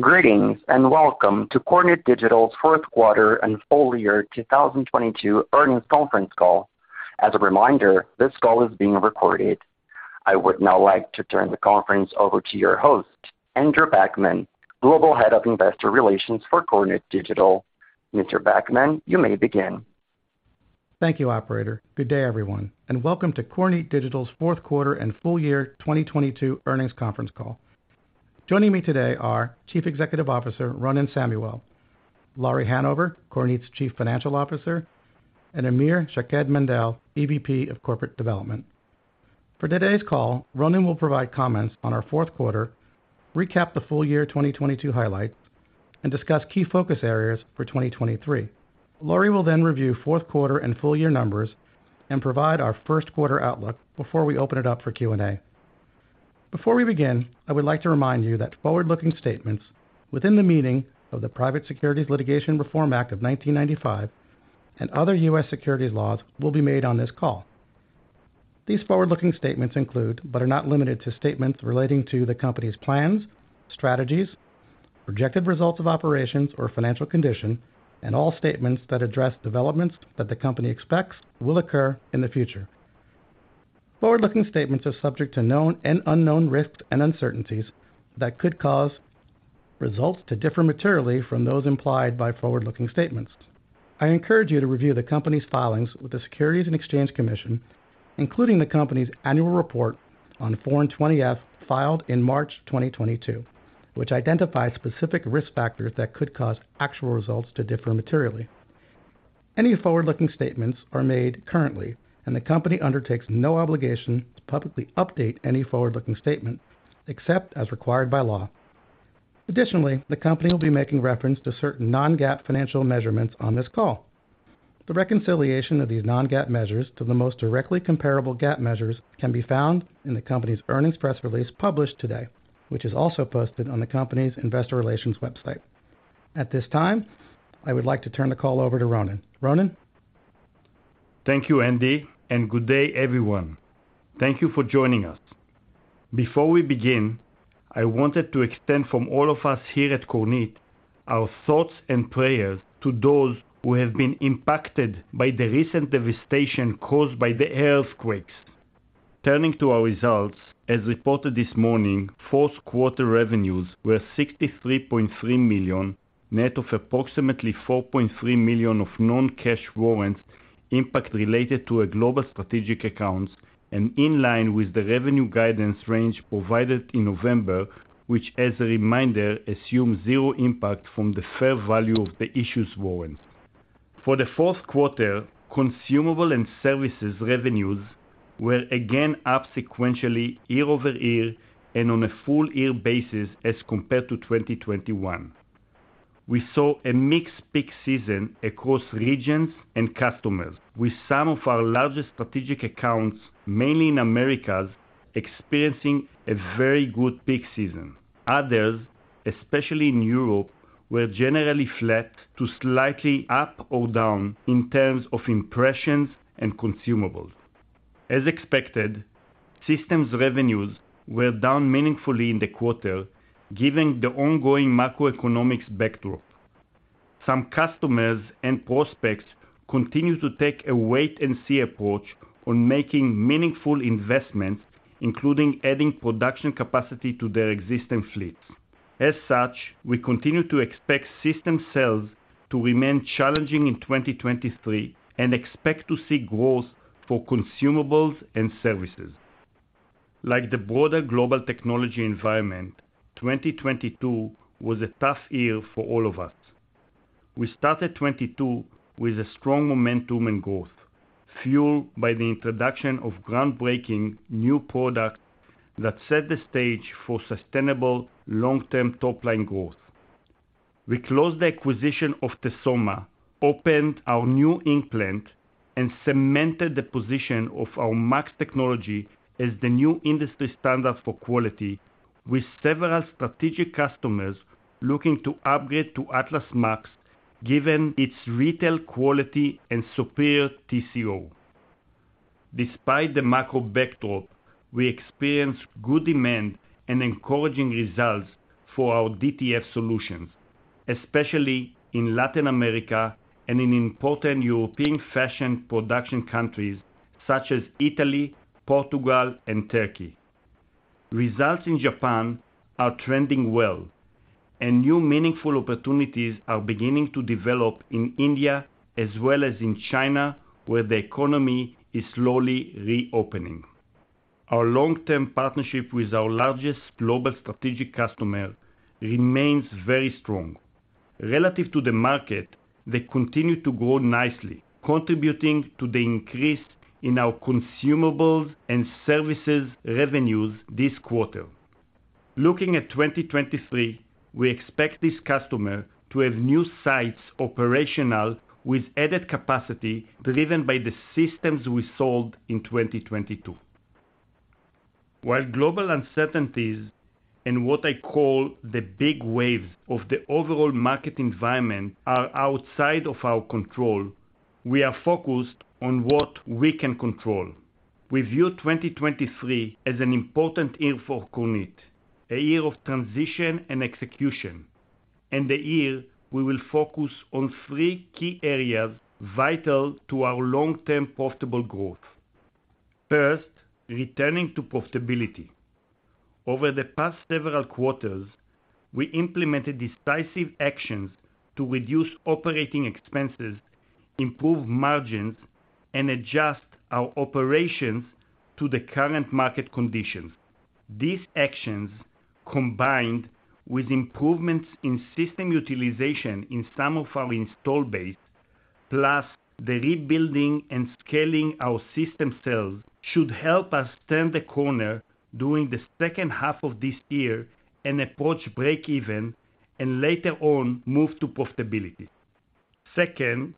Greetings, and welcome to Kornit Digital's Q4 and full year 2022 earnings conference call. As a reminder, this call is being recorded. I would now like to turn the conference over to your host, Andrew Backman, Global Head of Investor Relations for Kornit Digital. Mr. Backman, you may begin. Thank you, operator. Good day, everyone, and welcome to Kornit Digital's Q4 and full year 2022 earnings conference call. Joining me today are Chief Executive Officer, Ronen Samuel, Lauri Hanover, Kornit's Chief Financial Officer, and Amir Shaked-Mandel, EVP of Corporate Development. For today's call, Ronen will provide comments on our Q4, recap the full year 2022 highlights, and discuss key focus areas for 2023. Lauri will then review Q4 and full year numbers and provide our Q1 outlook before we open it up for Q&A. Before we begin, I would like to remind you that forward-looking statements within the meaning of the Private Securities Litigation Reform Act of 1995 and other U.S. securities laws will be made on this call. These forward-looking statements include, but are not limited to, statements relating to the company's plans, strategies, projected results of operations or financial condition, and all statements that address developments that the company expects will occur in the future. Forward-looking statements are subject to known and unknown risks and uncertainties that could cause results to differ materially from those implied by forward-looking statements. I encourage you to review the company's filings with the Securities and Exchange Commission, including the company's annual report on foreign 20-F filed in March 2022, which identifies specific risk factors that could cause actual results to differ materially. Any forward-looking statements are made currently, and the company undertakes no obligation to publicly update any forward-looking statement, except as required by law. Additionally, the company will be making reference to certain non-GAAP financial measurements on this call. The reconciliation of these non-GAAP measures to the most directly comparable GAAP measures can be found in the company's earnings press release published today, which is also posted on the company's investor relations website. At this time, I would like to turn the call over to Ronen. Ronen? Thank you, Andy. Good day, everyone. Thank you for joining us. Before we begin, I wanted to extend from all of us here at Kornit our thoughts and prayers to those who have been impacted by the recent devastation caused by the earthquakes. Turning to our results, as reported this morning, Q4 revenues were $63.3 million, net of approximately $4.3 million of non-cash warrants impact related to a global strategic accounts and in line with the revenue guidance range provided in November, which as a reminder, assumes zero impact from the fair value of the issues warrant. For the Q4, consumable and services revenues were again up sequentially year-over-year and on a full year basis as compared to 2021. We saw a mixed peak season across regions and customers with some of our largest strategic accounts, mainly in Americas, experiencing a very good peak season. Others, especially in Europe, were generally flat to slightly up or down in terms of impressions and consumables. As expected, systems revenues were down meaningfully in the quarter, given the ongoing macroeconomic backdrop. Some customers and prospects continue to take a wait and see approach on making meaningful investments, including adding production capacity to their existing fleets. As such, we continue to expect system sales to remain challenging in 2023 and expect to see growth for consumables and services. Like the broader global technology environment, 2022 was a tough year for all of us. We started 2022 with a strong momentum and growth, fueled by the introduction of groundbreaking new products that set the stage for sustainable long-term top-line growth. We closed the acquisition of Tesoma, opened our new ink plant, and cemented the position of our MAX technology as the new industry standard for quality with several strategic customers looking to upgrade to Atlas MAX given its retail quality and superior TCO. Despite the macro backdrop, we experienced good demand and encouraging results for our DTF solutions, especially in Latin America and in important European fashion production countries such as Italy, Portugal, and Turkey. Results in Japan are trending well, and new meaningful opportunities are beginning to develop in India as well as in China, where the economy is slowly reopening. Our long-term partnership with our largest global strategic customer remains very strong. Relative to the market, they continue to grow nicely, contributing to the increase in our consumables and services revenues this quarter. Looking at 2023, we expect this customer to have new sites operational with added capacity driven by the systems we sold in 2022. While global uncertainties in what I call the big waves of the overall market environment are outside of our control, we are focused on what we can control. We view 2023 as an important year for Kornit, a year of transition and execution, and a year we will focus on three key areas vital to our long-term profitable growth. First, returning to profitability. Over the past several quarters, we implemented decisive actions to reduce operating expenses, improve margins, and adjust our operations to the current market conditions. These actions, combined with improvements in system utilization in some of our install base, plus the rebuilding and scaling our system sales, should help us turn the corner during the second half of this year and approach break-even and later on move to profitability. Second,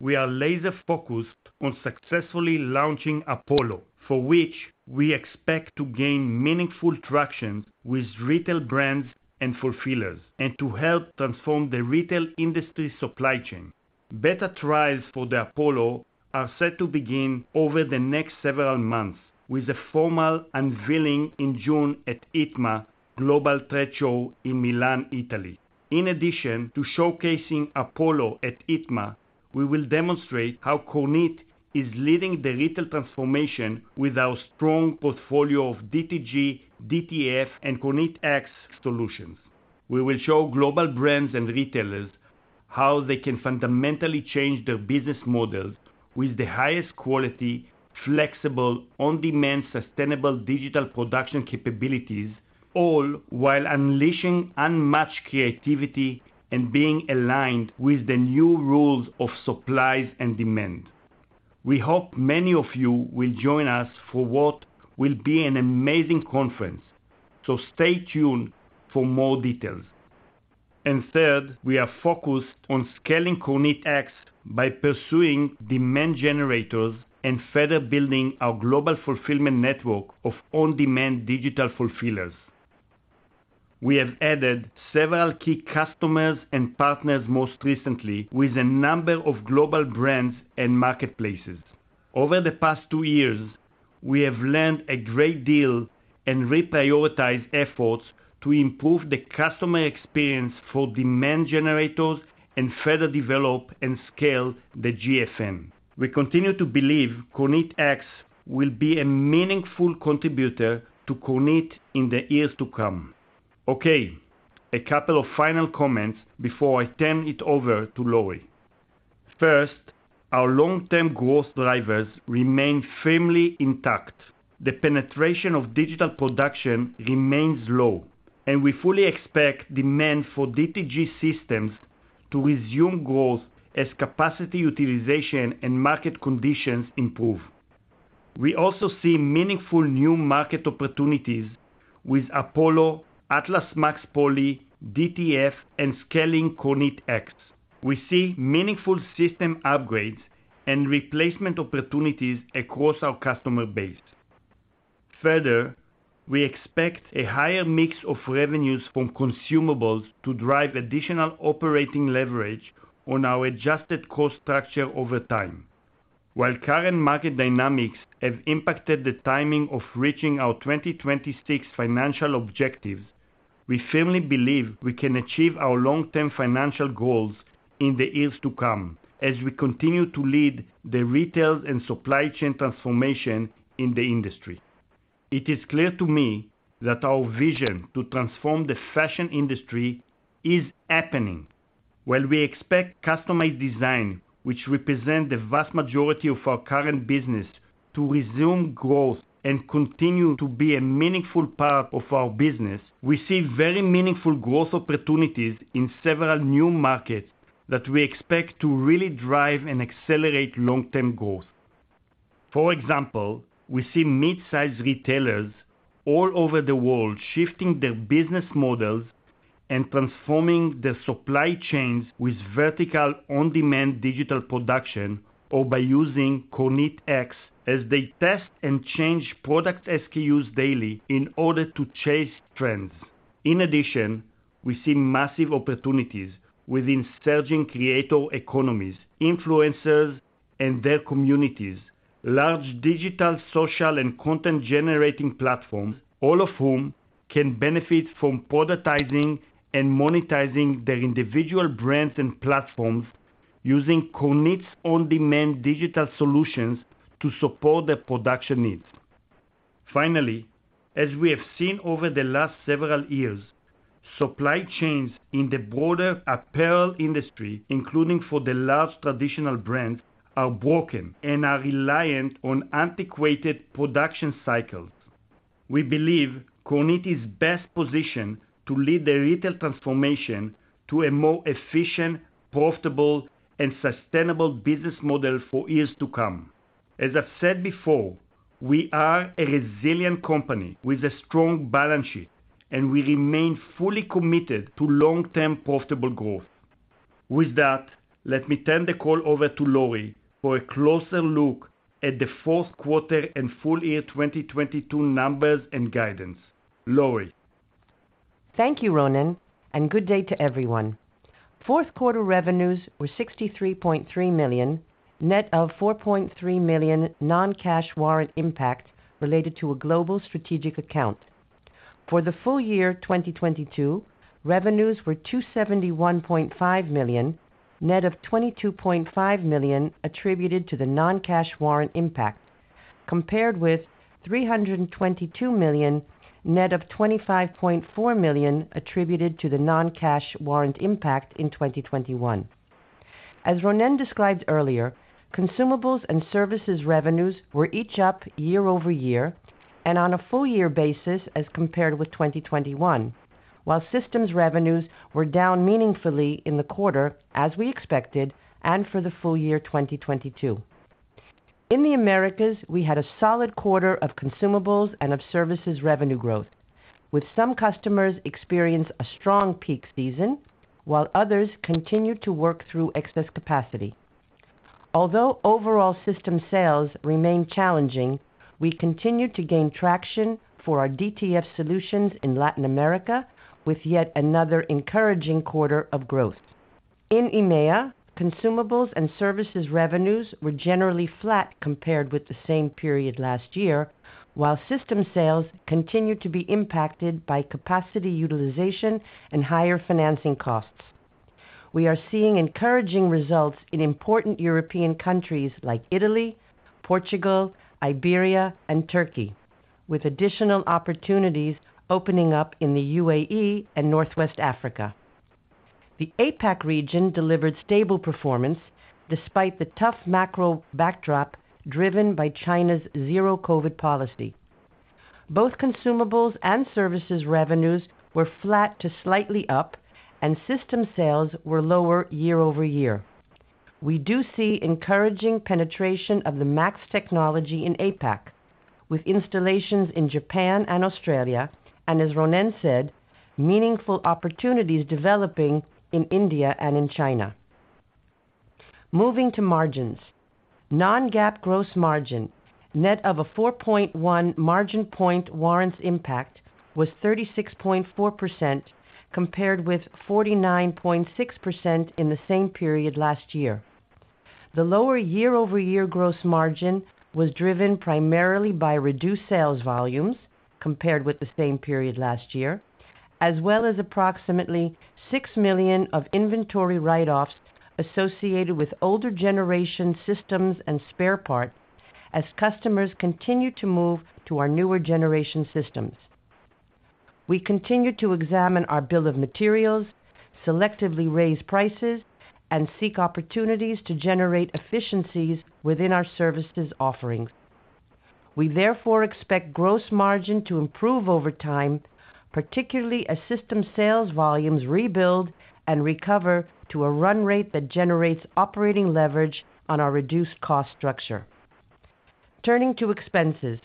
we are laser-focused on successfully launching Apollo, for which we expect to gain meaningful traction with retail brands and fulfillers and to help transform the retail industry supply chain. Beta trials for the Apollo are set to begin over the next several months, with a formal unveiling in June at ITMA Global Trade Show in Milan, Italy. In addition to showcasing Apollo at ITMA, we will demonstrate how Kornit is leading the retail transformation with our strong portfolio of DTG, DTF, and KornitX solutions. We will show global brands and retailers how they can fundamentally change their business models with the highest quality, flexible, on-demand, sustainable digital production capabilities, all while unleashing unmatched creativity and being aligned with the new rules of supplies and demand. We hope many of you will join us for what will be an amazing conference. Stay tuned for more details. Third, we are focused on scaling KornitX by pursuing demand generators and further building our Global Fulfillment Network of on-demand digital fulfillers. We have added several key customers and partners, most recently with a number of global brands and marketplaces. Over the past two years, we have learned a great deal and reprioritized efforts to improve the customer experience for demand generators and further develop and scale the GFN. We continue to believe KornitX will be a meaningful contributor to Kornit in the years to come. Okay, a couple of final comments before I turn it over to Lauri. First, our long-term growth drivers remain firmly intact. The penetration of digital production remains low, and we fully expect demand for DTG systems to resume growth as capacity utilization and market conditions improve. We also see meaningful new market opportunities with Apollo, Atlas MAX Poly, DTF, and scaling KornitX. We see meaningful system upgrades and replacement opportunities across our customer base. Further, we expect a higher mix of revenues from consumables to drive additional operating leverage on our adjusted cost structure over time. While current market dynamics have impacted the timing of reaching our 2026 financial objectives, we firmly believe we can achieve our long-term financial goals in the years to come as we continue to lead the retail and supply chain transformation in the industry. It is clear to me that our vision to transform the fashion industry is happening. While we expect customized design, which represent the vast majority of our current business to resume growth and continue to be a meaningful part of our business, we see very meaningful growth opportunities in several new markets that we expect to really drive and accelerate long-term growth. For example, we see mid-size retailers all over the world shifting their business models and transforming their supply chains with vertical on-demand digital production or by using KornitX as they test and change product SKUs daily in order to chase trends. In addition, we see massive opportunities within surging creator economies, influencers and their communities, large digital, social, and content-generating platforms, all of whom can benefit from productizing and monetizing their individual brands and platforms using Kornit's on-demand digital solutions to support their production needs. Finally, as we have seen over the last several years, supply chains in the broader apparel industry, including for the large traditional brands, are broken and are reliant on antiquated production cycles. We believe Kornit is best positioned to lead the retail transformation to a more efficient, profitable, and sustainable business model for years to come. As I've said before, we are a resilient company with a strong balance sheet, and we remain fully committed to long-term profitable growth. With that, let me turn the call over to Lauri for a closer look at the Q4 and full year 2022 numbers and guidance. Lauri? Thank you, Ronen, good day to everyone. Q4 revenues were $63.3 million, net of $4.3 million non-cash warrant impact related to a global strategic account. For the full year 2022, revenues were $271.5 million, net of $22.5 million attributed to the non-cash warrant impact, compared with $322 million, net of $25.4 million attributed to the non-cash warrant impact in 2021. As Ronen described earlier, consumables and services revenues were each up year-over-year and on a full year basis as compared with 2021. While systems revenues were down meaningfully in the quarter as we expected and for the full year 2022. In the Americas, we had a solid quarter of consumables and of services revenue growth, with some customers experience a strong peak season, while others continued to work through excess capacity. Although overall system sales remain challenging, we continue to gain traction for our DTF solutions in Latin America with yet another encouraging quarter of growth. In EMEA, consumables and services revenues were generally flat compared with the same period last year, while system sales continued to be impacted by capacity utilization and higher financing costs. We are seeing encouraging results in important European countries like Italy, Portugal, Iberia, and Turkey, with additional opportunities opening up in the UAE and Northwest Africa. The APAC region delivered stable performance despite the tough macro backdrop driven by China's zero COVID policy. Both consumables and services revenues were flat to slightly up, and system sales were lower year-over-year. We do see encouraging penetration of the MAX Technology in APAC, with installations in Japan and Australia, and as Ronen said, meaningful opportunities developing in India and in China. Moving to margins. non-GAAP gross margin, net of a 4.1 margin point warrants impact, was 36.4% compared with 49.6% in the same period last year. The lower year-over-year gross margin was driven primarily by reduced sales volumes compared with the same period last year, as well as approximately $6 million of inventory write-offs associated with older generation systems and spare parts as customers continue to move to our newer generation systems. We continue to examine our bill of materials, selectively raise prices, and seek opportunities to generate efficiencies within our services offerings. We therefore expect gross margin to improve over time, particularly as system sales volumes rebuild and recover to a run rate that generates operating leverage on our reduced cost structure. Turning to expenses.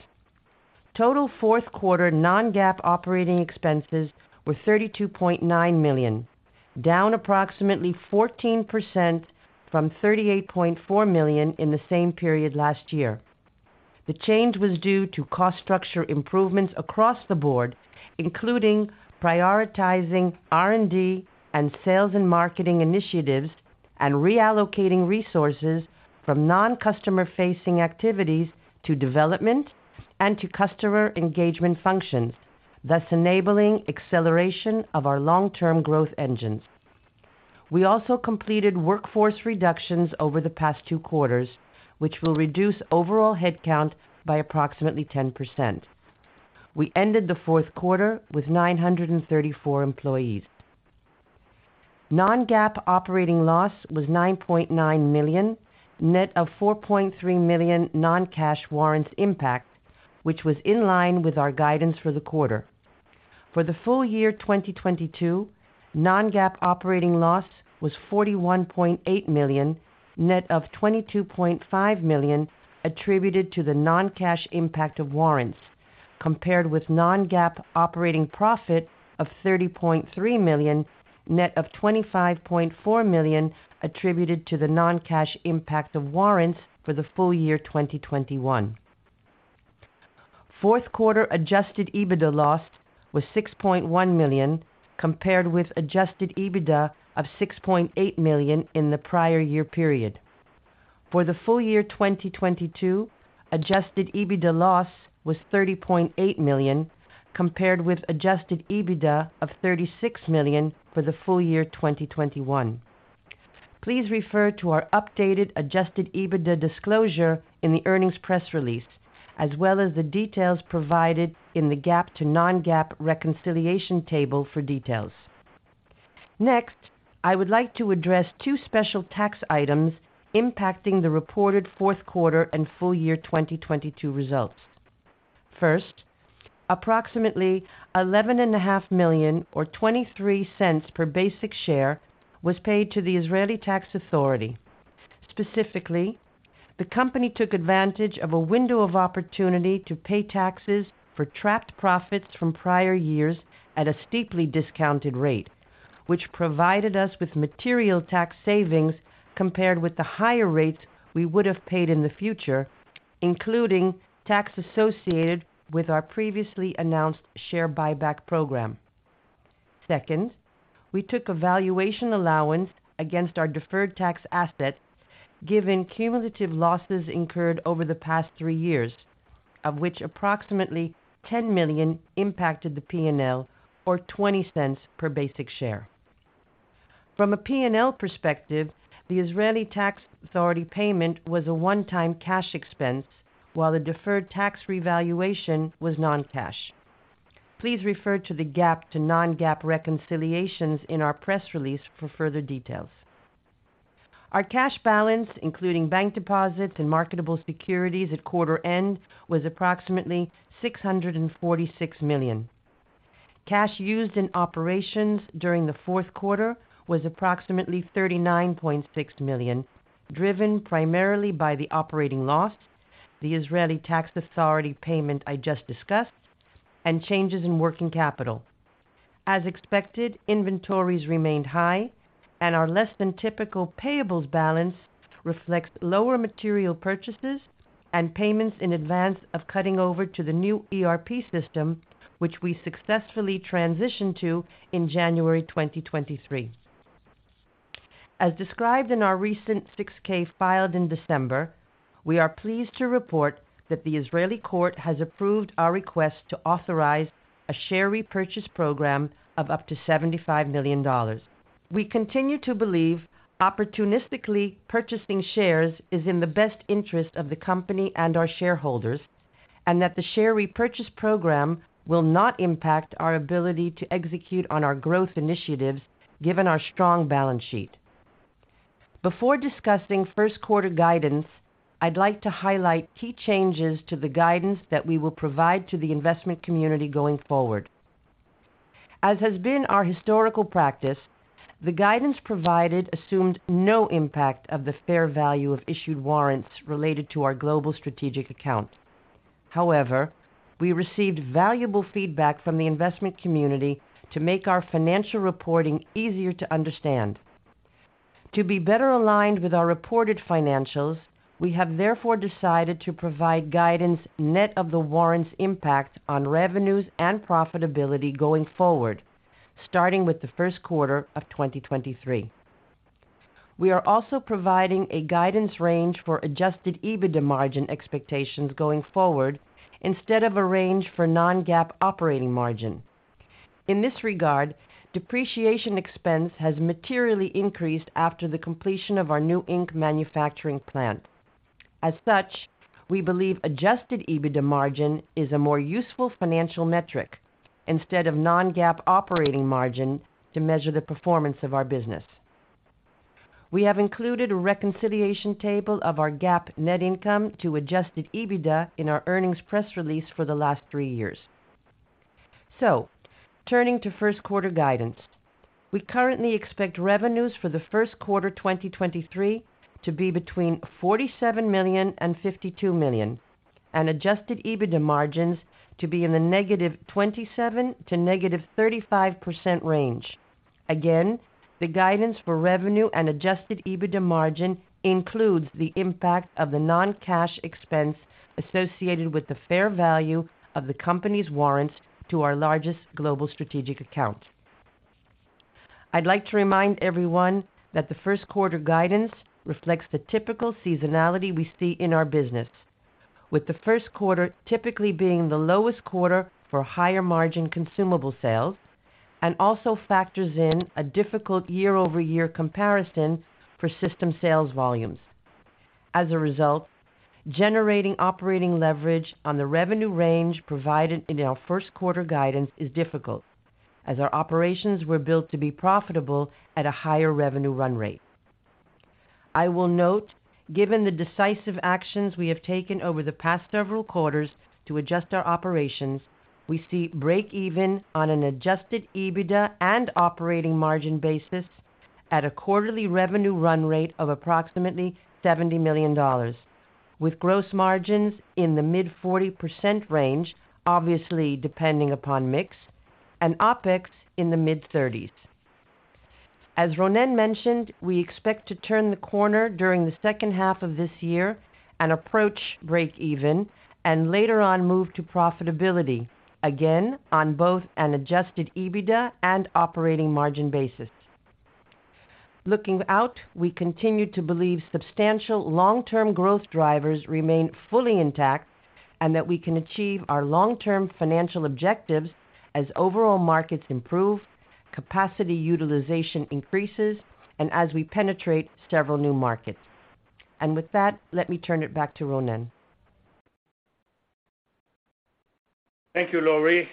Total Q4 non-GAAP operating expenses were $32.9 million, down approximately 14% from $38.4 million in the same period last year. The change was due to cost structure improvements across the board, including prioritizing R&D and sales and marketing initiatives, and reallocating resources from non-customer facing activities to development and to customer engagement functions, thus enabling acceleration of our long-term growth engines. We also completed workforce reductions over the past two quarters, which will reduce overall headcount by approximately 10%. We ended the Q4 with 934 employees. Non-GAAP operating loss was $9.9 million, net of $4.3 million non-cash warrants impact, which was in line with our guidance for the quarter. For the full year 2022, non-GAAP operating loss was $41.8 million, net of $22.5 million attributed to the non-cash impact of warrants, compared with non-GAAP operating profit of $30.3 million, net of $25.4 million attributed to the non-cash impact of warrants for the full year 2021. Q4 adjusted EBITDA loss was $6.1 million, compared with adjusted EBITDA of $6.8 million in the prior year period. For the full year 2022, adjusted EBITDA loss was $30.8 million, compared with adjusted EBITDA of $36 million for the full year 2021. Please refer to our updated adjusted EBITDA disclosure in the earnings press release, as well as the details provided in the GAAP to non-GAAP reconciliation table for details. I would like to address two special tax items impacting the reported Q4 and full year 2022 results. Approximately $11.5 million or $0.23 per basic share was paid to the Israeli Tax Authority. The company took advantage of a window of opportunity to pay taxes for trapped profits from prior years at a steeply discounted rate, which provided us with material tax savings compared with the higher rates we would have paid in the future, including tax associated with our previously announced share buyback program. Second, we took a valuation allowance against our deferred tax asset, given cumulative losses incurred over the past three years, of which approximately $10 million impacted the P&L or $0.20 per basic share. From a P&L perspective, the Israeli Tax Authority payment was a one-time cash expense, while the deferred tax revaluation was non-cash. Please refer to the GAAP to non-GAAP reconciliations in our press release for further details. Our cash balance, including bank deposits and marketable securities at quarter end, was approximately $646 million. Cash used in operations during the Q4 was approximately $39.6 million, driven primarily by the operating loss, the Israeli Tax Authority payment I just discussed, and changes in working capital. As expected, inventories remained high and our less than typical payables balance reflects lower material purchases and payments in advance of cutting over to the new ERP system, which we successfully transitioned to in January 2023. As described in our recent 6-K filed in December, we are pleased to report that the Israeli court has approved our request to authorize a share repurchase program of up to $75 million. We continue to believe opportunistically purchasing shares is in the best interest of the company and our shareholders, and that the share repurchase program will not impact our ability to execute on our growth initiatives given our strong balance sheet. Before discussing Q1 guidance, I'd like to highlight key changes to the guidance that we will provide to the investment community going forward. As has been our historical practice, the guidance provided assumed no impact of the fair value of issued warrants related to our global strategic account. We received valuable feedback from the investment community to make our financial reporting easier to understand. To be better aligned with our reported financials, we have therefore decided to provide guidance net of the warrants impact on revenues and profitability going forward, starting with the Q1 of 2023. We are also providing a guidance range for adjusted EBITDA margin expectations going forward instead of a range for non-GAAP operating margin. In this regard, depreciation expense has materially increased after the completion of our new ink manufacturing plant. We believe adjusted EBITDA margin is a more useful financial metric instead of non-GAAP operating margin to measure the performance of our business. We have included a reconciliation table of our GAAP net income to adjusted EBITDA in our earnings press release for the last three years. Turning to Q1 guidance. We currently expect revenues for the Q1 2023 to be between $47 million and $52 million, and adjusted EBITDA margins to be in the -27% to -35% range. Again, the guidance for revenue and adjusted EBITDA margin includes the impact of the non-cash expense associated with the fair value of the company's warrants to our largest global strategic account. I'd like to remind everyone that the Q1 guidance reflects the typical seasonality we see in our business, with the Q1 typically being the lowest quarter for higher margin consumable sales, and also factors in a difficult year-over-year comparison for system sales volumes. As a result, generating operating leverage on the revenue range provided in our Q1 guidance is difficult, as our operations were built to be profitable at a higher revenue run rate. I will note, given the decisive actions we have taken over the past several quarters to adjust our operations, we see break even on an adjusted EBITDA and operating margin basis at a quarterly revenue run rate of approximately $70 million, with gross margins in the mid 40% range, obviously depending upon mix, and OpEx in the mid 30s%. As Ronen mentioned, we expect to turn the corner during the second half of this year and approach break even, and later on move to profitability again on both an adjusted EBITDA and operating margin basis. Looking out, we continue to believe substantial long-term growth drivers remain fully intact and that we can achieve our long-term financial objectives as overall markets improve, capacity utilization increases, and as we penetrate several new markets. With that, let me turn it back to Ronen. Thank you, Lauri.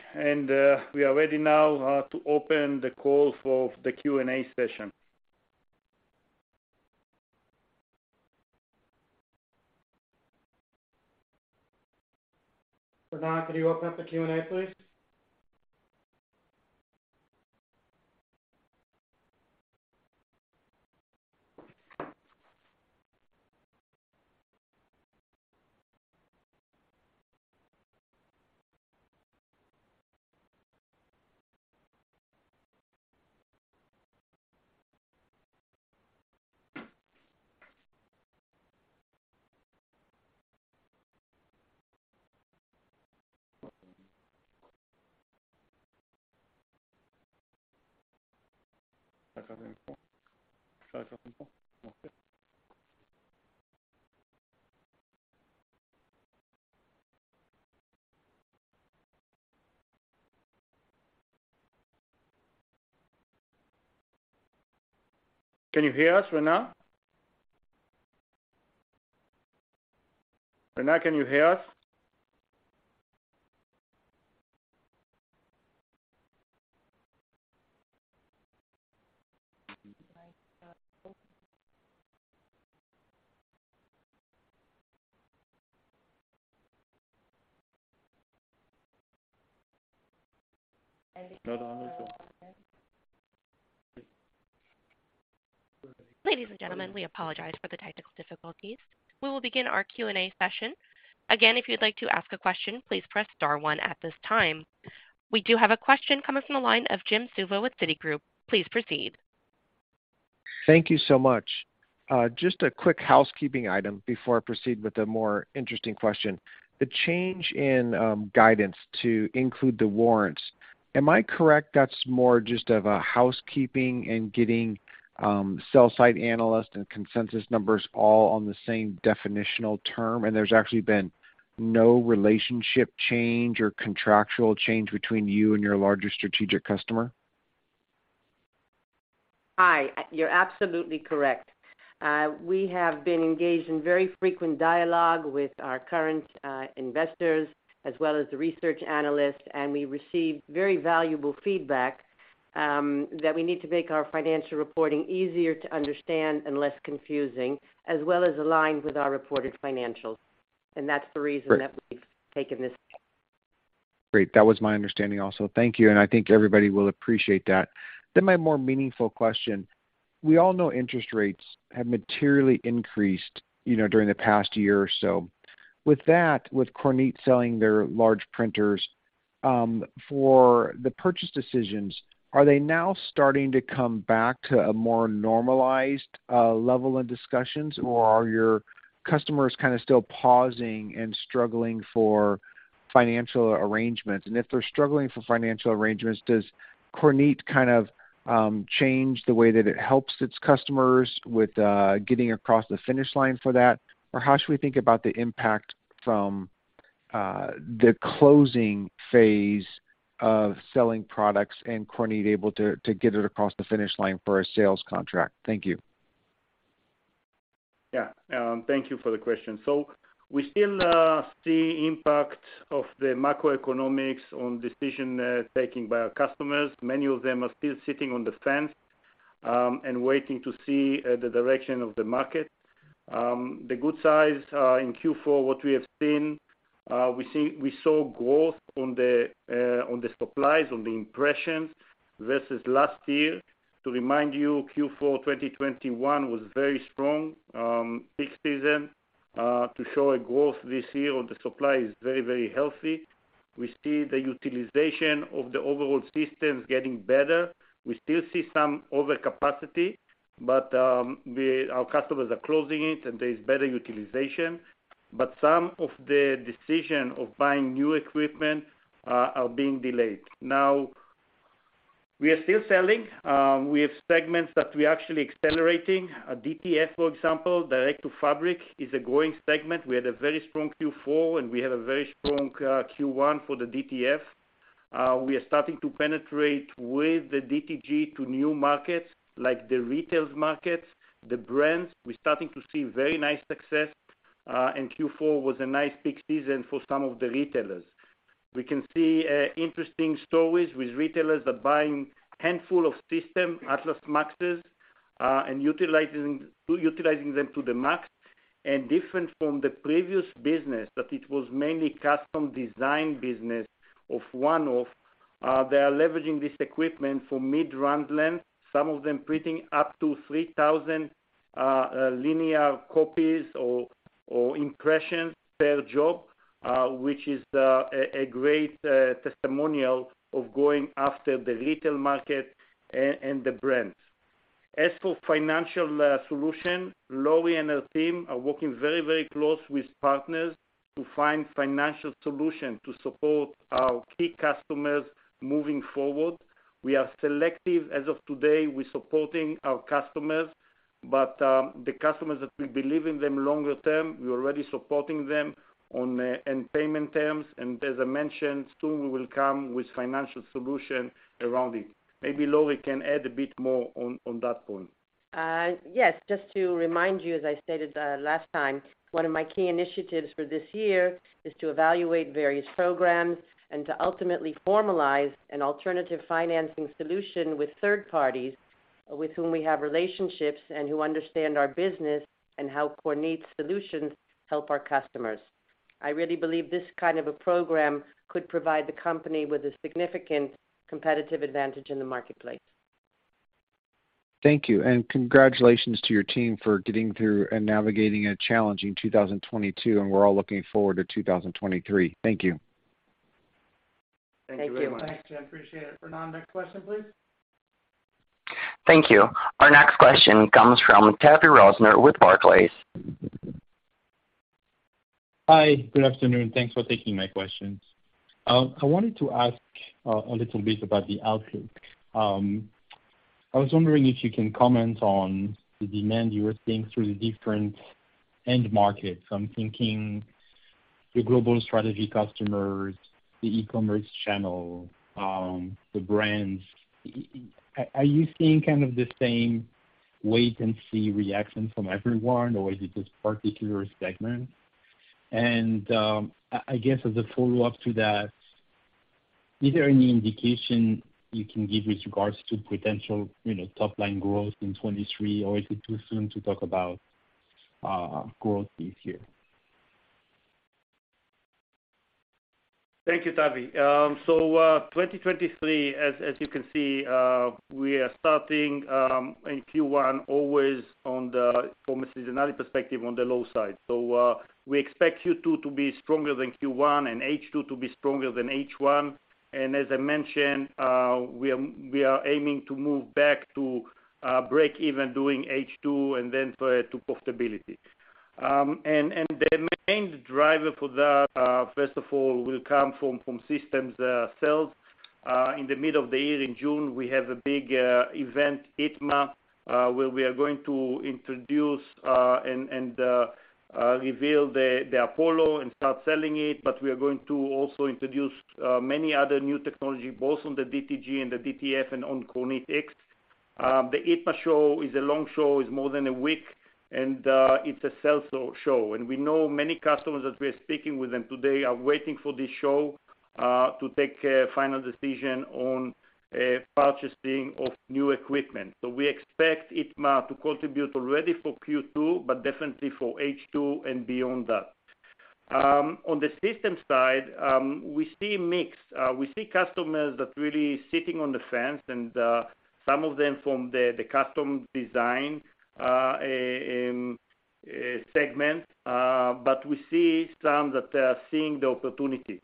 We are ready now, to open the call for the Q&A session. Ronen, could you open up the Q&A, please? Can you hear us, Rena? Rena, can you hear us? Ladies and gentlemen, we apologize for the technical difficulties. We will begin our Q&A session. Again, if you'd like to ask a question, please press star one at this time. We do have a question coming from the line of Jim Suva with Citigroup. Please proceed. Thank you so much. Just a quick housekeeping item before I proceed with a more interesting question. The change in guidance to include the warrants, am I correct that's more just of a housekeeping and getting sell-side analyst and consensus numbers all on the same definitional term, and there's actually been no relationship change or contractual change between you and your larger strategic customer? Hi. You're absolutely correct. We have been engaged in very frequent dialogue with our current investors as well as the research analysts, and we received very valuable feedback, that we need to make our financial reporting easier to understand and less confusing, as well as aligned with our reported financials. That's the reason that we've taken this. Great. That was my understanding also. Thank you. I think everybody will appreciate that. My more meaningful question. We all know interest rates have materially increased, you know, during the past year or so. With that, with Kornit selling their large printers, for the purchase decisions, are they now starting to come back to a more normalized level in discussions, or are your customers kind of still pausing and struggling for financial arrangements? If they're struggling for financial arrangements, does Kornit kind of change the way that it helps its customers with getting across the finish line for that? How should we think about the impact from the closing phase of selling products and Kornit able to get it across the finish line for a sales contract? Thank you. Thank you for the question. We still see impact of the macroeconomics on decision taking by our customers. Many of them are still sitting on the fence and waiting to see the direction of the market. The good size in Q4, what we have seen, we saw growth on the supplies, on the impressions versus last year. To remind you, Q4 2021 was very strong peak season to show a growth this year. The supply is very, very healthy. We see the utilization of the overall systems getting better. We still see some overcapacity, but our customers are closing it, and there is better utilization. Some of the decision of buying new equipment are being delayed. We are still selling. We have segments that we're actually accelerating. DTF, for example, direct to fabric, is a growing segment. We had a very strong Q4, and we have a very strong Q1 for the DTF. We are starting to penetrate with the DTG to new markets, like the retail markets, the brands. We're starting to see very nice success, and Q4 was a nice peak season for some of the retailers. We can see interesting stories with retailers that buying handful of system, Atlas MAXes, and utilizing them to the MAX. Different from the previous business that it was mainly custom design business of one-off, they are leveraging this equipment for mid-run length, some of them printing up to 3,000 linear copies or impressions per job, which is a great testimonial of going after the retail market and the brands. As for financial solution, Lauri and her team are working very, very close with partners to find financial solution to support our key customers moving forward. We are selective as of today with supporting our customers. The customers that we believe in them longer term, we're already supporting them on in payment terms. As I mentioned, soon we will come with financial solution around it. Maybe Lauri can add a bit more on that point. Yes. Just to remind you, as I stated, last time, one of my key initiatives for this year is to evaluate various programs and to ultimately formalize an alternative financing solution with third parties with whom we have relationships and who understand our business and how Kornit solutions help our customers. I really believe this kind of a program could provide the company with a significant competitive advantage in the marketplace. Thank you, and congratulations to your team for getting through and navigating a challenging 2022, and we're all looking forward to 2023. Thank you. Thank you very much. Thanks, Jim. Appreciate it. Ronen, next question, please. Thank you. Our next question comes from Tavy Rosner with Barclays. Hi, good afternoon. Thanks for taking my questions. I wanted to ask a little bit about the outlook. I was wondering if you can comment on the demand you were seeing through the different end markets. I'm thinking the global strategy customers, the e-commerce channel, the brands. Are you seeing kind of the same wait and see reaction from everyone or is it just particular segment? I guess as a follow-up to that, is there any indication you can give with regards to potential, you know, top line growth in 2023 or is it too soon to talk about growth this year? Thank you, Tavy. 2023, as you can see, we are starting in Q1 always from a seasonality perspective on the low side. We expect Q2 to be stronger than Q1 and H2 to be stronger than H1. As I mentioned, we are aiming to move back to break even during H2 and to profitability. The main driver for that, first of all, will come from systems sales. In the middle of the year in June, we have a big event, ITMA, where we are going to introduce and reveal the Apollo and start selling it, we are going to also introduce many other new technology, both on the DTG and the DTF and on KornitX. The ITMA show is a long show, is more than a week, it's a sell-through show. We know many customers that we're speaking with them today are waiting for this show to take a final decision on purchasing of new equipment. We expect ITMA to contribute already for Q2, but definitely for H2 and beyond that. On the systems side, we see a mix. We see customers that really sitting on the fence and some of them from the custom design segment, but we see some that are seeing the opportunity.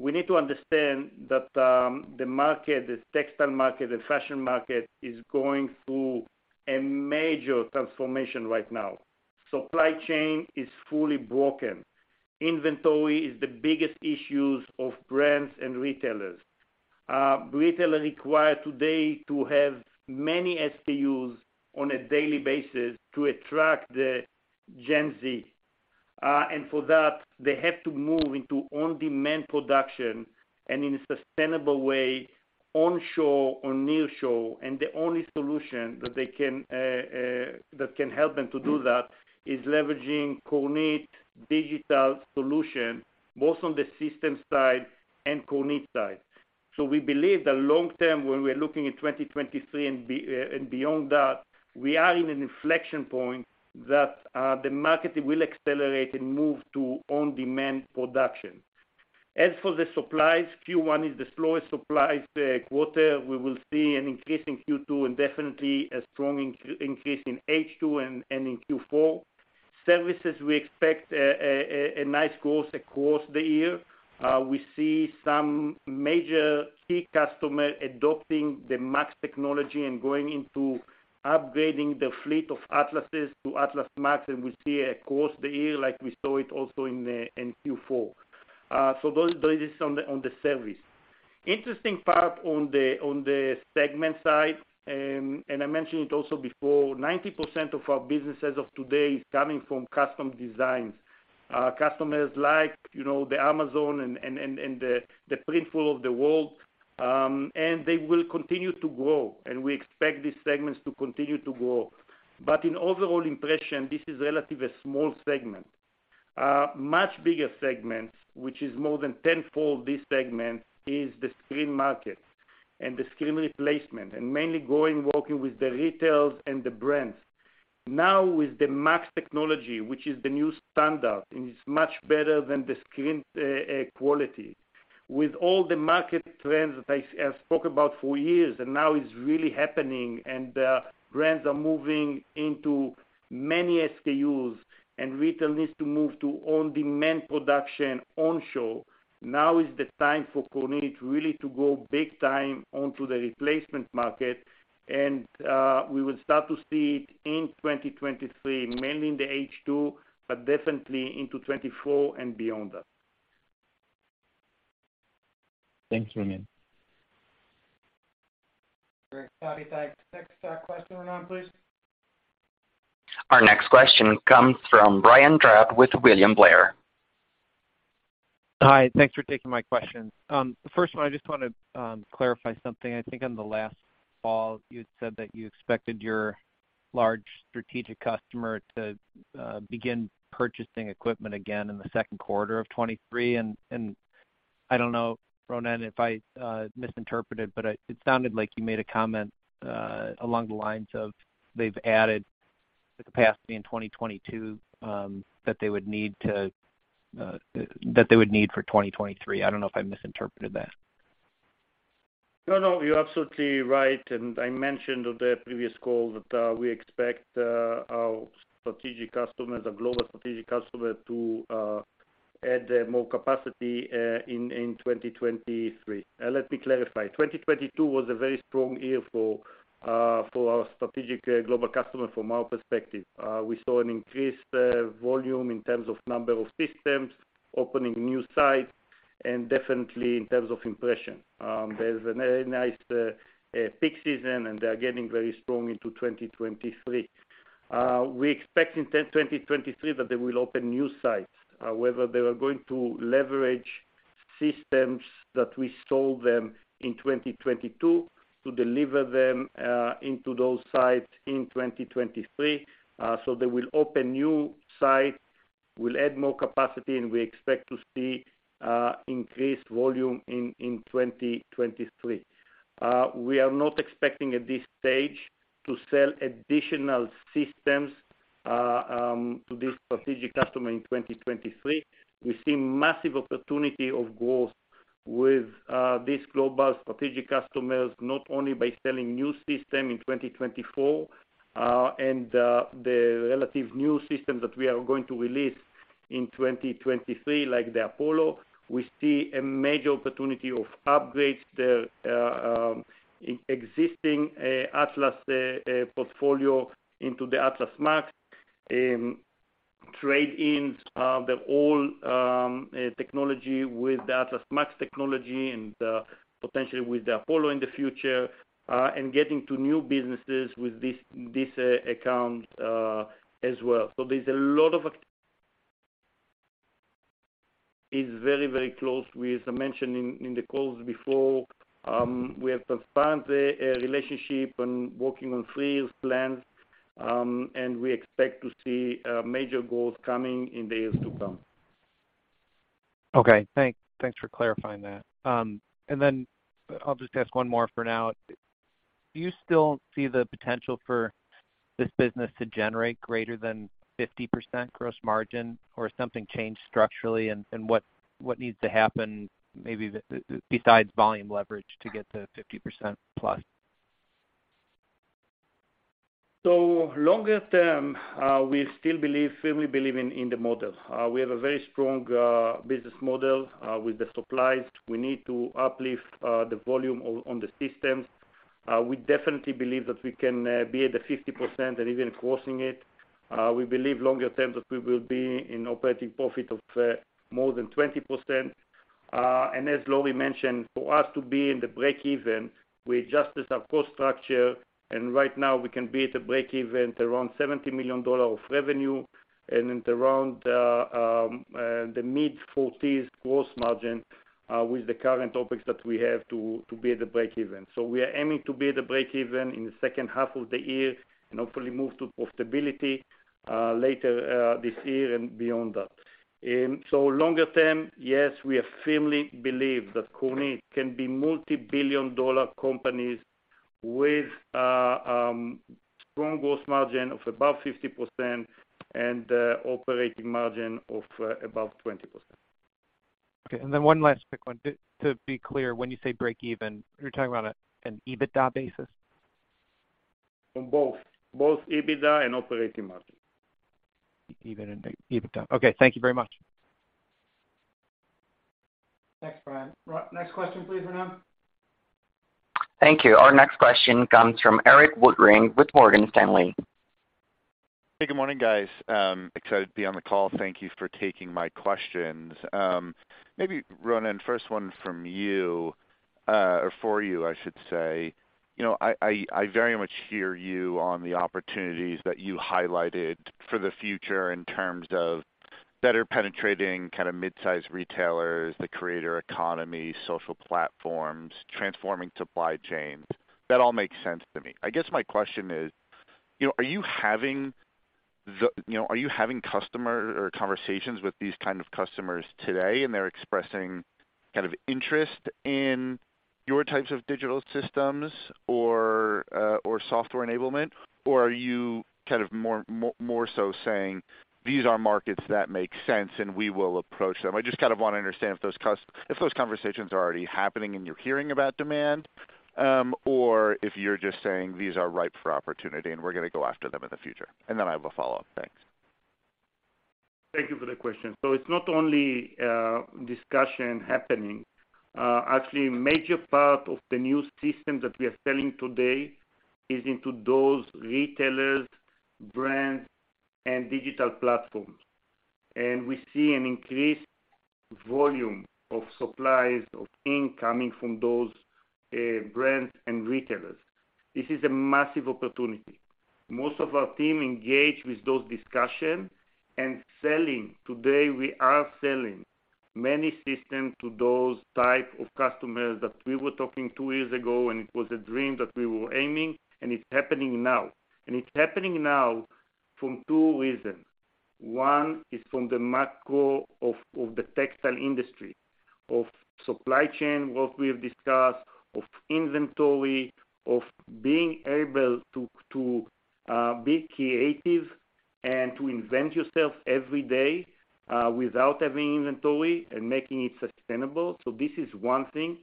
We need to understand that the market, the textile market, the fashion market is going through a major transformation right now. Supply chain is fully broken. Inventory is the biggest issues of brands and retailers. quire many SKUs on a daily basis to attract Gen Z. For that, they have to move into on-demand production in a sustainable way, onshore or nearshore. The only solution that can help them to do that is leveraging Kornit Digital solution, both on the systems side and Kornit side. We believe that long term, when we are looking at 2023 and beyond that, we are in an inflection point that the market will accelerate and move to on-demand production. As for the supplies, Q1 is the slowest supplies quarter. We will see an increase in Q2 and definitely a strong increase in H2 and in Q4. Services, we expect a nice growth across the year We see some major key customer adopting the MAX Technology and going into upgrading the fleet of Atlases to Atlas MAX, and we see across the year like we saw it also in Q4. Those is on the service. Interesting part on the segment side, I mentioned it also before, 90% of our business as of today is coming from custom designs. Customers like, you know, the Amazon and the Printful of the world, they will continue to grow, and we expect these segments to continue to grow. In overall impression, this is relatively a small segment. A much bigger segment, which is more than 10-fold this segment, is the screen markets and the screen replacement, and mainly going working with the retailers and the brands. With the MAX Technology, which is the new standard, and it's much better than the screen quality. With all the market trends that I spoke about for years and now is really happening and brands are moving into many SKUs and retail needs to move to on-demand production onshore, now is the time for Kornit really to go big time onto the replacement market. We will start to see it in 2023, mainly in the H2, but definitely into 2024 and beyond that. Thank you, Ronen. Great. Tavy, thanks. Next, question, Ronen, please. Our next question comes from Brian Drab with William Blair. Hi. Thanks for taking my questions. First one, I just wanna clarify something. I think on the last call, you had said that you expected your large strategic customer to begin purchasing equipment again in the Q2 of 2023. I don't know, Ronen, if I misinterpreted, but it sounded like you made a comment along the lines of they've added the capacity in 2022 that they would need for 2023. I don't know if I misinterpreted that. No, no, you're absolutely right. I mentioned on the previous call that we expect our strategic customers, our global strategic customer to add more capacity in 2023. Let me clarify. 2022 was a very strong year for our strategic global customer from our perspective. We saw an increased volume in terms of number of systems, opening new sites, and definitely in terms of impression. There's a very nice peak season, and they are getting very strong into 2023. We expect in 2023 that they will open new sites, whether they are going to leverage systems that we sold them in 2022 to deliver them into those sites in 2023. They will open new sites. We'll add more capacity. We expect to see increased volume in 2023. We are not expecting at this stage to sell additional systems to this strategic customer in 2023. We see massive opportunity of growth with these global strategic customers, not only by selling new system in 2024, the relative new system that we are going to release in 2023, like the Apollo. We see a major opportunity of upgrades the existing Atlas portfolio into the Atlas MAX, trade-ins of the old technology with the Atlas MAX technology and potentially with the Apollo in the future, getting to new businesses with this account as well. There's a lot. It's very close. We as I mentioned in the calls before, we have transparent relationship and working on three years plans. We expect to see major growth coming in the years to come. Okay, thanks. Thanks for clarifying that. Then I'll just ask one more for now. Do you still see the potential for this business to generate greater than 50% gross margin or something changed structurally and what needs to happen maybe besides volume leverage to get to 50% plus? Longer term, we still believe, firmly believe in the model. We have a very strong business model with the supplies we need to uplift the volume on the systems. We definitely believe that we can be at the 50% and even crossing it. We believe longer term that we will be in operating profit of more than 20%. And as Lauri mentioned, for us to be in the break even, we adjusted our cost structure, and right now we can be at a break even at around $70 million of revenue and at around the mid-40s gross margin with the current topics that we have to be at the break even. We are aiming to be at the breakeven in the second half of the year and hopefully move to profitability later this year and beyond that. Longer term, yes, we firmly believe that Kornit can be multi-billion dollar companies with strong growth margin of above 50% and operating margin of above 20%. Okay, then one last quick one. To be clear, when you say break even, you're talking about an EBITDA basis? On both EBITDA and operating margin. EBITA and EBITDA. Okay, thank you very much. Thanks, Brian. Next question, please, Renam. Thank you. Our next question comes from Erik Woodring with Morgan Stanley. Hey, good morning, guys. Excited to be on the call. Thank you for taking my questions. Maybe, Ronen, first one from you, or for you, I should say. You know, I very much hear you on the opportunities that you highlighted for the future in terms of better penetrating kind of mid-sized retailers, the creator economy, social platforms, transforming supply chains. That all makes sense to me. I guess my question is, you know, are you having conversations with these kind of customers today, and they're expressing kind of interest in your types of digital systems or software enablement? Or are you kind of more so saying, "These are markets that make sense, and we will approach them"? I just kind of wanna understand if those conversations are already happening and you're hearing about demand, or if you're just saying these are ripe for opportunity and we're gonna go after them in the future. I have a follow-up. Thanks. Thank you for the question. It's not only discussion happening. Actually, major part of the new system that we are selling today is into those retailers, brands, and digital platforms. We see an increased volume of supplies of ink coming from those brands and retailers. This is a massive opportunity. Most of our team engage with those discussion and selling. Today, we are selling many system to those type of customers that we were talking two years ago, and it was a dream that we were aiming, and it's happening now. It's happening now for two reasons. One is from the macro of the textile industry, of supply chain, what we have discussed, of inventory, of being able to be creative and to invent yourself every day, without having inventory and making it sustainable. This is one thing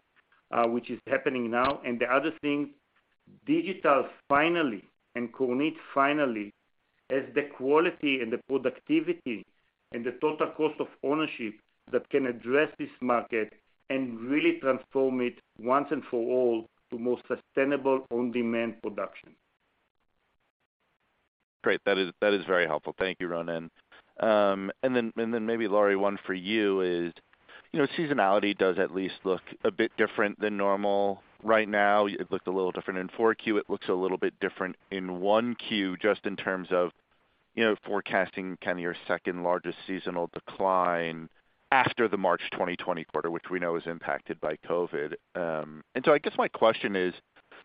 which is happening now. The other thing, digital finally, and Kornit finally has the quality and the productivity and the total cost of ownership that can address this market and really transform it once and for all to more sustainable on-demand production. Great. That is very helpful. Thank you, Ronen. Then maybe Laurie, one for you is, you know, seasonality does at least look a bit different than normal right now. It looked a little different in four Q, it looks a little bit different in one Q, just in terms of, you know, forecasting kind of your second-largest seasonal decline after the March 2020 quarter, which we know is impacted by COVID. I guess my question is,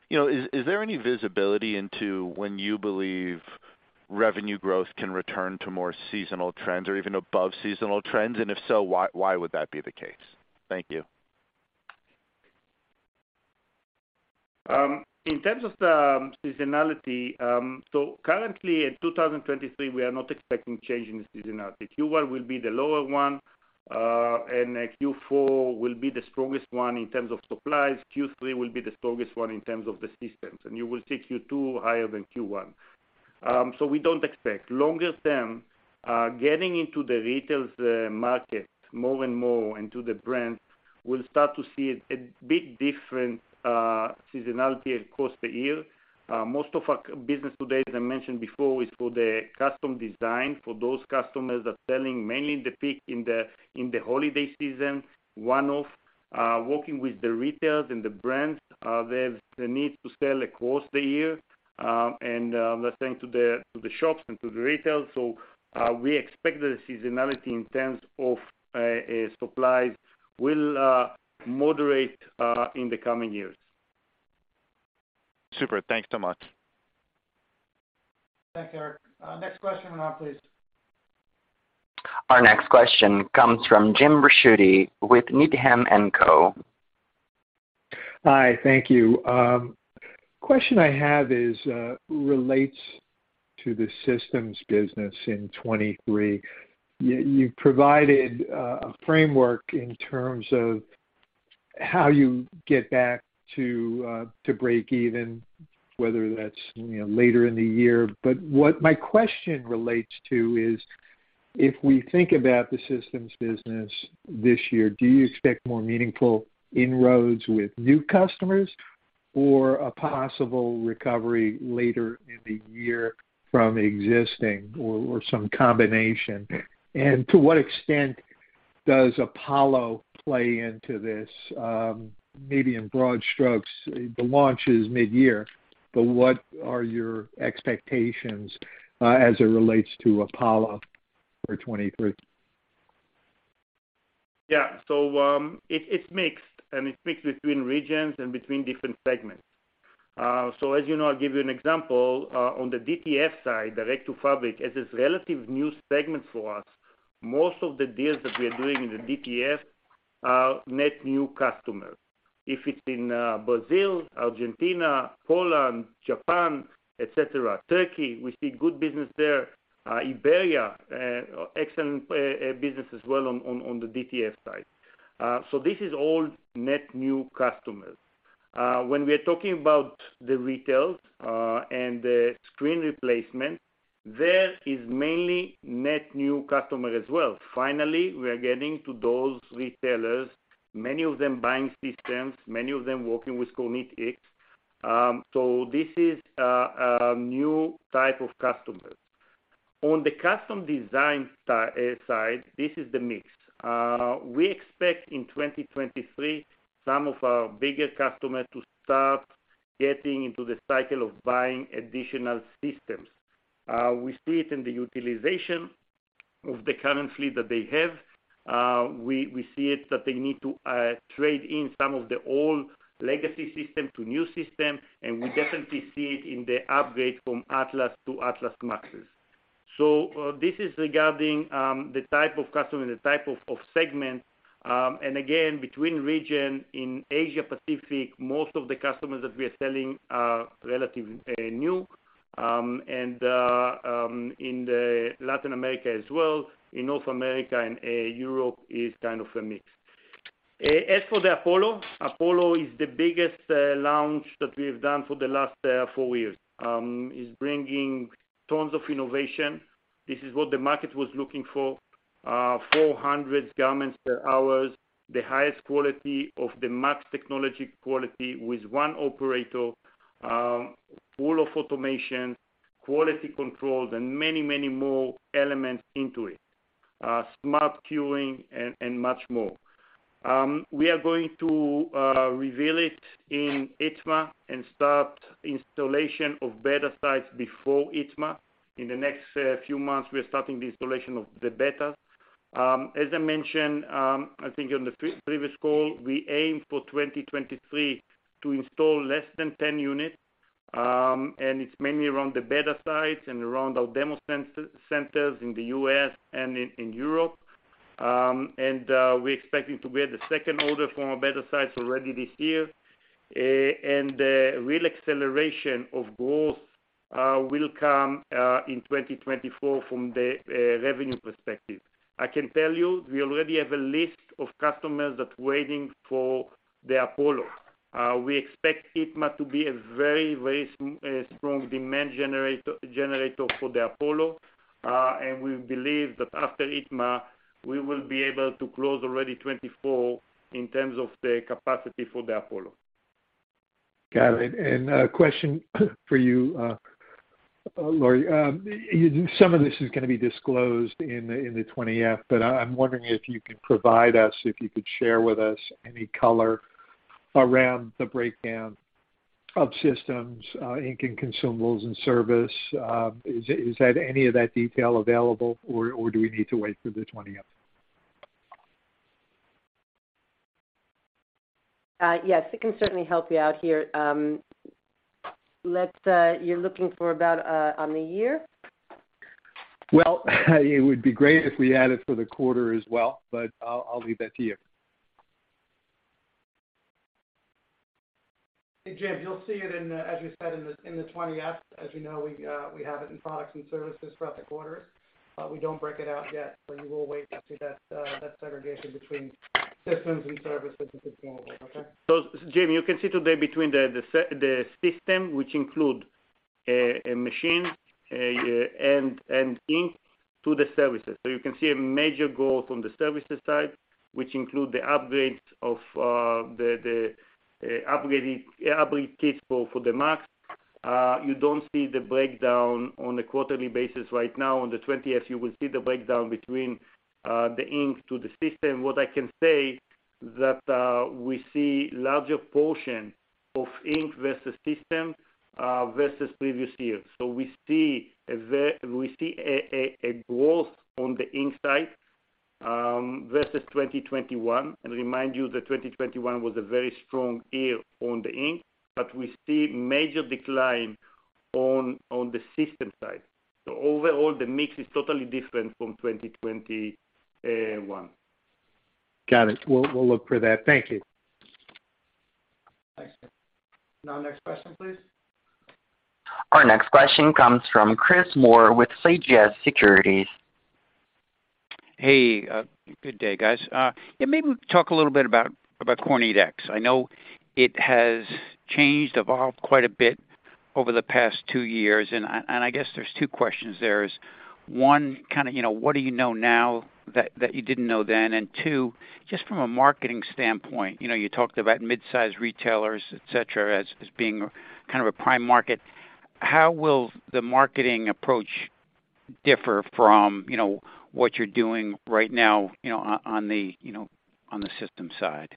you know, is there any visibility into when you believe revenue growth can return to more seasonal trends or even above seasonal trends? If so, why would that be the case? Thank you. In terms of the seasonality, currently in 2023, we are not expecting change in seasonality. Q1 will be the lower one, and Q4 will be the strongest one in terms of supplies. Q3 will be the strongest one in terms of the systems, and you will take Q2 higher than Q1. We don't expect. Longer term, getting into the retails market more and more into the brand, we'll start to see a big different seasonality across the year. Most of our business today, as I mentioned before, is for the custom design. For those customers are selling mainly in the peak in the holiday season, one-off, working with the retailers and the brands, they've the need to sell across the year, and the same to the shops and to the retailers. We expect the seasonality in terms of supplies will moderate in the coming years. Super. Thanks so much. Thanks, Eric. Next question on please. Our next question comes from Jim Ricchiuti with Needham and Co. Hi. Thank you. Question I have relates to the systems business in 2023. You provided a framework in terms of how you get back to break even, whether that's, you know, later in the year. What my question relates to is, if we think about the systems business this year, do you expect more meaningful inroads with new customers or a possible recovery later in the year from existing or some combination? To what extent does Apollo play into this, maybe in broad strokes, the launch is midyear, but what are your expectations as it relates to Apollo for 2023? Yeah. It's mixed, and it's mixed between regions and between different segments. As you know, I'll give you an example, on the DTF side, direct-to-fabric, as it's relative new segment for us, most of the deals that we are doing in the DTF are net new customers. If it's in Brazil, Argentina, Poland, Japan, et cetera. Turkey. We see good business there. Iberia, excellent business as well on the DTF side. This is all net new customers. When we are talking about the retails, and the screen replacement, there is mainly net new customer as well. Finally, we are getting to those retailers, many of them buying systems, many of them working with KornitX. This is a new type of customers. On the custom design side, this is the mix. We expect in 2023 some of our bigger customers to start getting into the cycle of buying additional systems. We see it in the utilization of the currently that they have. We see it that they need to trade in some of the old legacy system to new system, and we definitely see it in the upgrade from Atlas to Atlas MAXes. This is regarding the type of customer, the type of segment. Again, between region in Asia Pacific, most of the customers that we are selling are relatively new. And in the Latin America as well, in North America and Europe is kind of a mix. As for the Apollo is the biggest launch that we've done for the last four years. It's bringing tons of innovation. This is what the market was looking for. 400 garments per hours, the highest quality of the MAX Technology quality with one operator, full of automation, quality control, and many, many more elements into it, smart queuing and much more. We are going to reveal it in ITMA and start installation of beta sites before ITMA. In the next few months, we're starting the installation of the beta. As I mentioned, I think on the pre-previous call, we aim for 2023 to install less than 10 units. It's mainly around the beta sites and around our demo centers in the U.S. and in Europe. We're expecting to get the second order from beta sites already this year. The real acceleration of growth will come in 2024 from the revenue perspective. I can tell you, we already have a list of customers that's waiting for the Apollo. We expect ITMA to be a very strong demand generator for the Apollo. We believe that after ITMA, we will be able to close already 24 in terms of the capacity for the Apollo. Got it. A question for you, Lauri. Some of this is gonna be disclosed in the 20-F, but I'm wondering if you can provide us, if you could share with us any color around the breakdown of systems, ink and consumables and service. Is that any of that detail available or do we need to wait for the 20-F? yes, I can certainly help you out here. let's, you're looking for about, on the year? It would be great if we had it for the quarter as well, but I'll leave that to you. Hey, Jim, you'll see it in the, as we said, in the, in the 20-F. As you know, we have it in products and services throughout the quarters, but we don't break it out yet. You will wait to see that segregation between systems and services and consumables, okay? Jim, you can see today between the system, which include a machine and ink to the services. You can see a major growth on the services side, which include the upgrades of upgrade kits for the MAX. You don't see the breakdown on a quarterly basis right now. On the 20-F, you will see the breakdown between the ink to the system. What I can say that we see larger portion of ink versus system versus previous years. We see a growth on the ink side versus 2021. Remind you that 2021 was a very strong year on the ink, but we see major decline on the system side. Overall, the mix is totally different from 2021. Got it. We'll look for that. Thank you. Thanks, Jim. Next question, please. Our next question comes from Chris Moore with CJS Securities. Hey, good day, guys. Yeah, maybe talk a little bit about KornitX. I know it has changed, evolved quite a bit over the past two years, and I guess there's two questions there is, one, kind of, you know, what do you know now that you didn't know then? Two, just from a marketing standpoint, you know, you talked about mid-size retailers, et cetera, as being kind of a prime market. How will the marketing approach differ from, you know, what you're doing right now, you know, on the, you know, on the system side?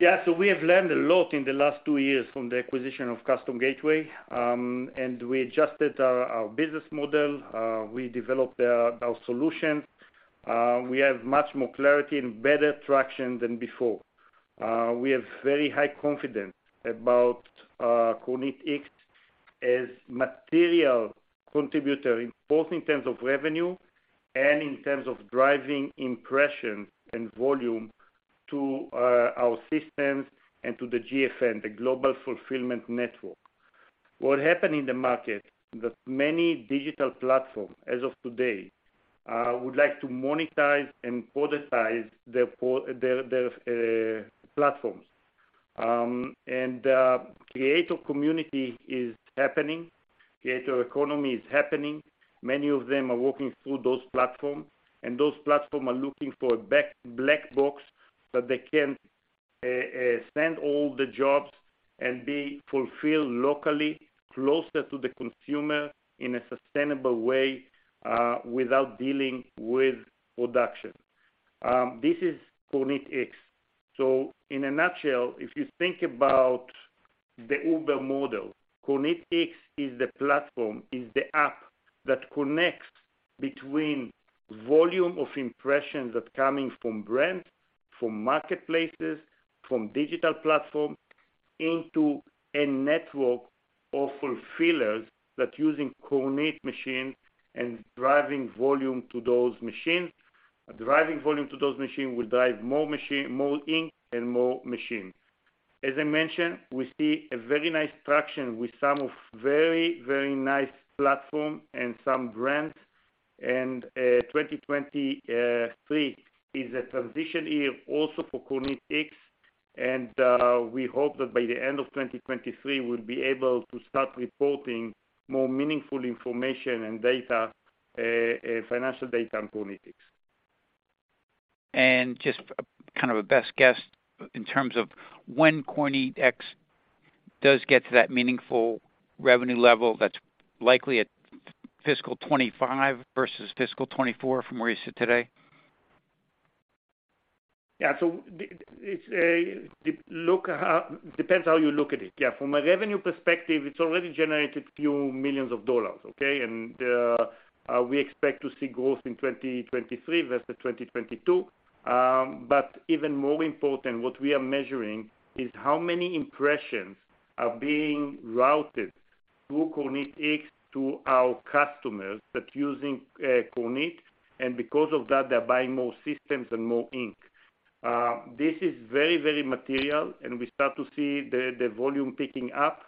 Yeah. We have learned a lot in the last two years from the acquisition of Custom Gateway, we adjusted our business model, we developed our solution. We have much more clarity and better traction than before. We have very high confidence about KornitX as material contributor, both in terms of revenue and in terms of driving impression and volume to our systems and to the GFN, the Global Fulfillment Network. What happened in the market, that many digital platform, as of today, would like to monetize and productize their platforms. Creative community is happening. Creative economy is happening. Many of them are working through those platform. Those platform are looking for a black box that they can send all the jobs and be fulfilled locally, closer to the consumer in a sustainable way, without dealing with production. This is Kornit X. In a nutshell, if you think about the Uber model, Kornit X is the platform, is the app that connects between volume of impressions that coming from brands, from marketplaces, from digital platform into a network of fulfillers that using Kornit machine and driving volume to those machines. Driving volume to those machine will drive more ink and more machines. As I mentioned, we see a very nice traction with some of very nice platform and some brands. 2023 is a transition year also for KornitX, and we hope that by the end of 2023, we'll be able to start reporting more meaningful information and data, financial data on KornitX. Just kind of a best guess in terms of when KornitX does get to that meaningful revenue level that's likely at fiscal 2025 versus fiscal 2024 from where you sit today. The, it's depends how you look at it. From a revenue perspective, it's already generated few millions of dollars, okay? We expect to see growth in 2023 versus 2022. Even more important, what we are measuring is how many impressions are being routed through KornitX to our customers that using Kornit, and because of that, they're buying more systems and more ink. This is very, very material, and we start to see the volume picking up,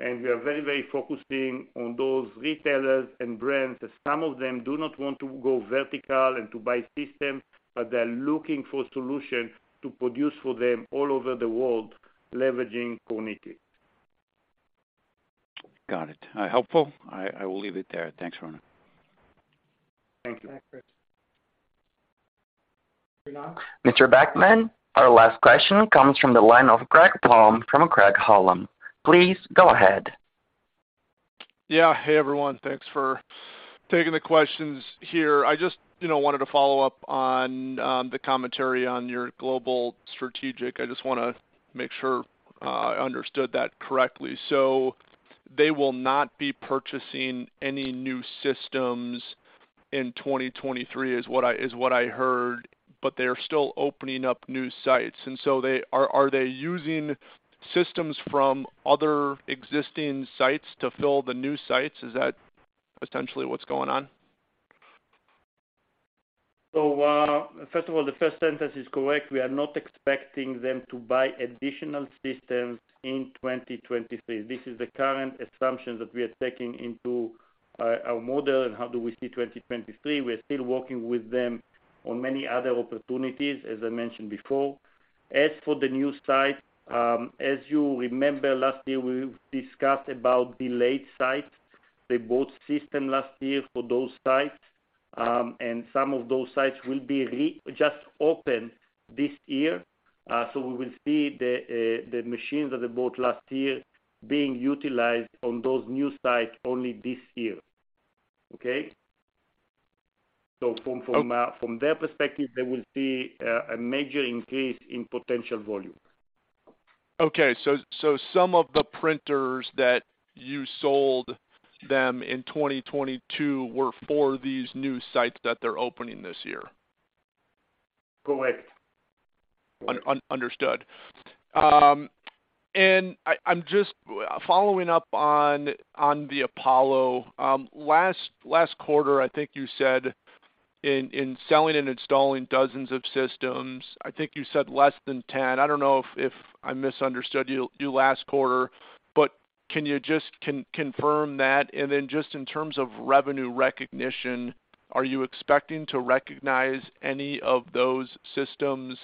and we are very, very focusing on those retailers and brands, that some of them do not want to go vertical and to buy system, but they're looking for solution to produce for them all over the world, leveraging KornitX. Got it. helpful. I will leave it there. Thanks, Ronen. Thank you. Mr. Backman, our last question comes from the line of Greg Palm from Craig-Hallum. Please go ahead. Yeah. Hey, everyone. Thanks for taking the questions here. I just, you know, wanted to follow up on the commentary on your global strategic. I just wanna make sure I understood that correctly. They will not be purchasing any new systems in 2023 is what I heard, but they're still opening up new sites. Are they using systems from other existing sites to fill the new sites? Is that potentially what's going on? First of all, the first sentence is correct. We are not expecting them to buy additional systems in 2023. This is the current assumption that we are taking into our model and how do we see 2023. We're still working with them on many other opportunities, as I mentioned before. As for the new site, as you remember, last year we discussed about delayed sites. They bought system last year for those sites, and some of those sites will be just opened this year. We will see the machines that they bought last year being utilized on those new sites only this year. Okay? From their perspective, they will see a major increase in potential volume. Some of the printers that you sold them in 2022 were for these new sites that they're opening this year? Correct. Understood. I'm just following up on the Apollo. Last quarter, I think you said in selling and installing dozens of systems, I think you said less than 10. I don't know if I misunderstood you last quarter, but can you just confirm that? Then just in terms of revenue recognition, are you expecting to recognize any of those systems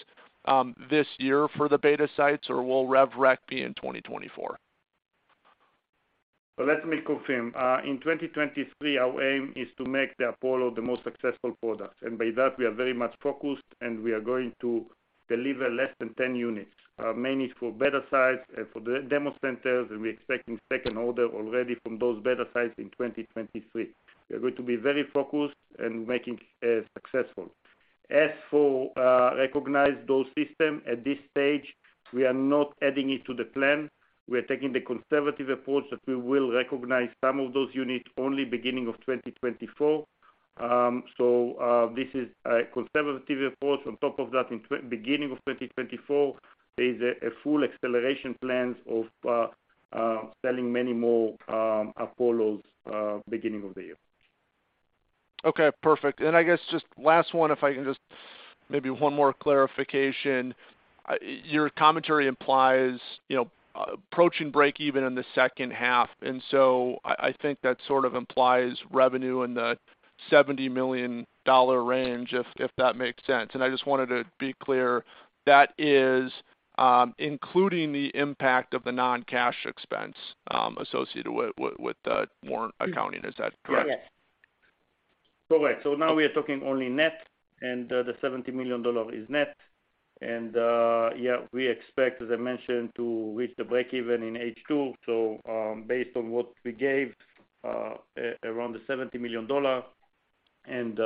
this year for the beta sites, or will rev rec be in 2024? Let me confirm. In 2023, our aim is to make the Apollo the most successful product. By that, we are very much focused, and we are going to deliver less than 10 units. Mainly for better sites and for the demo centers, and we're expecting second order already from those better sites in 2023. We are going to be very focused in making successful. As for recognize those system at this stage, we are not adding it to the plan. We're taking the conservative approach that we will recognize some of those units only beginning of 2024. This is a conservative approach. On top of that, beginning of 2024 is a full acceleration plans of selling many more Apollos beginning of the year. Okay, perfect. I guess just last one, if I can just maybe one more clarification. Your commentary implies, you know, approaching break even in the second half. I think that sort of implies revenue in the $70 million range, if that makes sense. I just wanted to be clear, that is, including the impact of the non-cash expense, associated with the warrant accounting. Is that correct? Yes. Correct. Now we are talking only net, and the $70 million is net. Yeah, we expect, as I mentioned, to reach the breakeven in H2. Based on what we gave, around the $70 million and,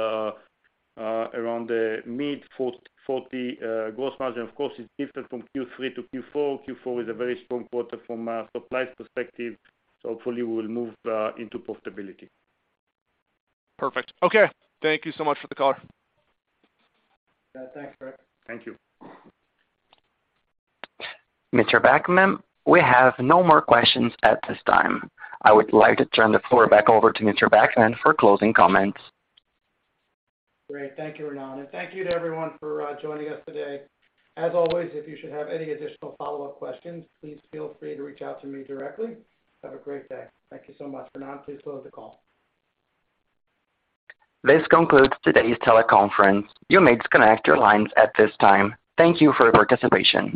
around the mid-40%, 40% gross margin, of course, is different from Q3 to Q4. Q4 is a very strong quarter from a supply perspective, so hopefully we will move into profitability. Perfect. Okay. Thank you so much for the call. Yeah, thanks, Greg. Thank you. Mr. Backman, we have no more questions at this time. I would like to turn the floor back over to Mr. Backman for closing comments. Great. Thank you, Ronen. Thank you to everyone for joining us today. As always, if you should have any additional follow-up questions, please feel free to reach out to me directly. Have a great day. Thank you so much. Renan, please close the call. This concludes today's teleconference. You may disconnect your lines at this time. Thank you for your participation.